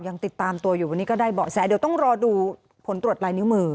ยังติดตามตัวอยู่วันนี้ก็ได้เบาะแสเดี๋ยวต้องรอดูผลตรวจลายนิ้วมือ